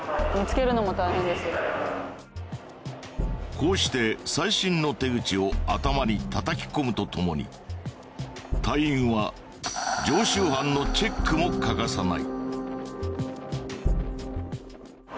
こうして最新の手口を頭に叩き込むとともに隊員は常習犯のチェックも欠かさない。